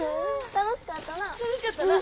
楽しかったな。